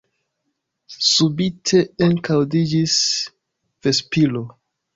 Subite ekaŭdiĝis vespiro.